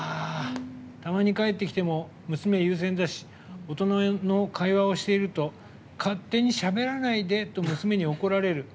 たまに帰ってきても、娘優先だし大人の会話をしていると勝手にしゃべらないで！と娘に怒られる。